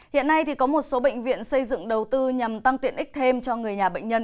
hiện nay có một số bệnh viện xây dựng đầu tư nhằm tăng tiện ích thêm cho người nhà bệnh nhân